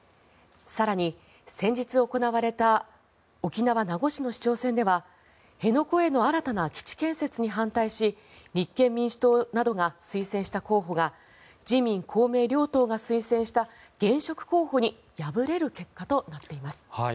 更に、先日行われた沖縄・名護市の市長選では辺野古への新たな基地建設に反対し、立憲民主党などが推薦した候補が自民・公明両党が推薦した現職候補に敗れる結果となっています。